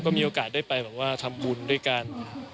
ก็มีโอกาสได้ไปแบบว่าทำบุญด้วยกัน